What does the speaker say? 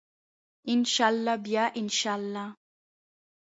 ان شاء الله بیا ان شاء الله.